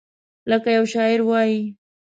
لکه یو شاعر وایي: